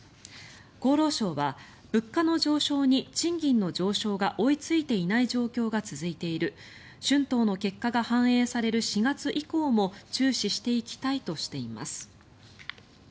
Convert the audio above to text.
厚労省は、物価の上昇に賃金の上昇が追いついていない状況が続いている春闘の結果が反映される４月以降も注視していきたいとしています。